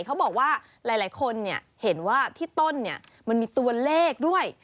เขาบอกว่าหลายคนเห็นว่าที่ต้นมันมีตัวเลขด้วย